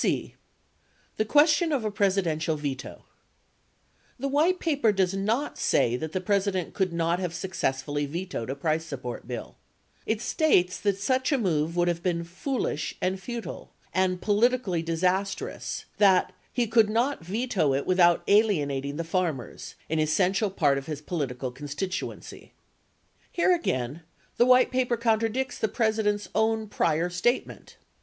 c. The Question of a Presidential Veto The White Paper does not say that the President could not have successfully vetoed a price support bill. 46 It states that such a move would have been "foolish and futile" and "politically disastrous" — that he "could not veto it without alienating the farmers — an essential part of his political constituency." 47 Here again, the White Paper contradicts the President's own prior statement.